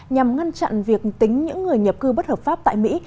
nhằm ngăn chặn việc tính những người nhập cư bất hợp pháp tại mỹ